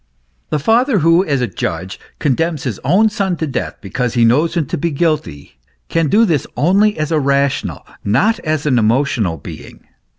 The father who as a judge condemns his own son to death because he knows him to be guilty, can do this only as a rational not as an emotional being.